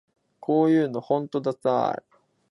こういうのほんとダサい